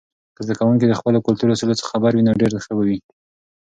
که زده کوونکي د خپلو کلتور اصولو څخه خبر وي، نو ډیر ښه دی.